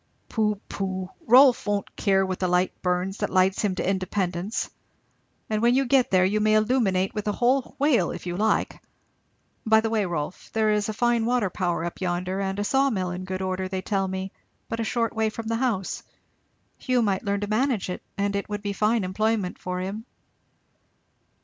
"Pooh, pooh! Rolf won't care what the light burns that lights him to independence, and when you get there you may illuminate with a whole whale if you like. By the way, Rolf, there is a fine water power up yonder, and a saw mill in good order, they tell me, but a short way from the house. Hugh might learn to manage it, and it would be fine employment for him."